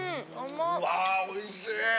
うわおいしい！